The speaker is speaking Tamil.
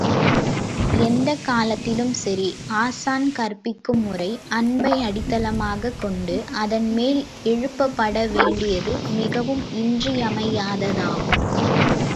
எந்தக் காலத்திலும் சரி ஆசான் கற்பிக்கும் உரை, அன்பை அடித்தளமாகக் கொண்டு அதன்மேல் எழுப்பப்பட வேண்டியது மிகவும் இன்றியமையாததாகும்.